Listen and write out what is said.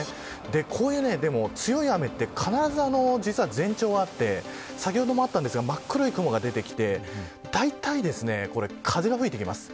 こういう強い雨って、必ず前兆があって先ほどもあったんですが真っ黒い雲が出てきてだいたい風が吹いてきます。